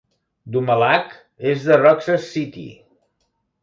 Dumalag és de Roxas City.